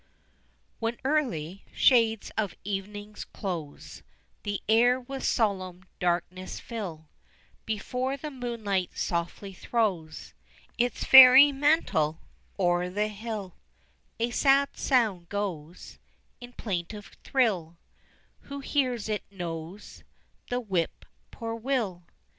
When early shades of evening's close The air with solemn darkness fill, Before the moonlight softly throws Its fairy mantle o'er the hill, A sad sound goes In plaintive thrill; Who hears it knows The Whip poor will.